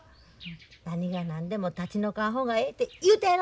何が何でも立ち退かん方がええて言うたやろ？